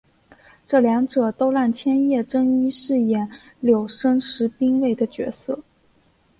这两者都让千叶真一饰演柳生十兵卫的角色。